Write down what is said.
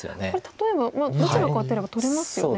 例えばどちらか打てれば取れますよね。